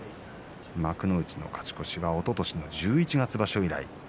幕内の勝ち越しは、おととしの十一月場所以来。